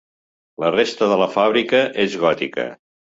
La resta de la fàbrica és gòtica.